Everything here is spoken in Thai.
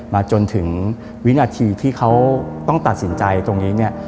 จนถึงวินาทีที่เขาต้องตัดสินใจตรงนี้เนี่ย